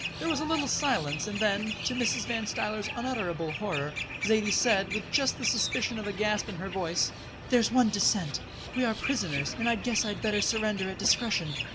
There was a little silence, and then, to Mrs. Van Stuyler's unutterable horror, Zaidie said, with just the suspicion of a gasp in her voice: "There's one dissentient. We are prisoners, and I guess I'd better surrender at discretion."